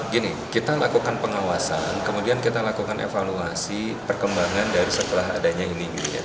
gini kita lakukan pengawasan kemudian kita lakukan evaluasi perkembangan dari setelah adanya ini